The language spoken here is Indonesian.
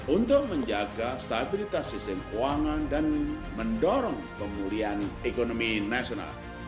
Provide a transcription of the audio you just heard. untuk menjaga stabilitas sistem keuangan dan mendorong pemulihan ekonomi nasional